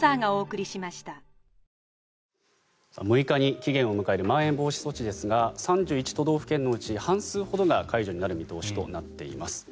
６日に期限を迎えるまん延防止措置ですが３１都道府県のうち半数ほどが解除になる見通しとなっています。